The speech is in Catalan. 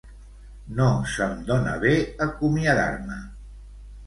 No se'm dona bé acomiadar-me.